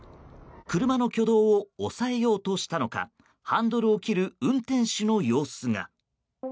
車の挙動を抑えようとしたのかハンドルを切る運転手の様子が。